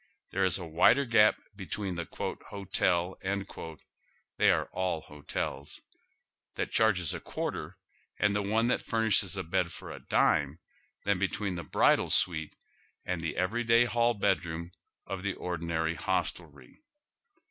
There is a wider gap between the " hotel "— they are ali liotels — that charges a quarter and the one that furniehee a bed for a dime than between the bridal snite and the every day hall bedroom of the ordinary hostelry.